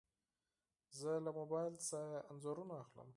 زه له موبایل نه انځورونه اخلم.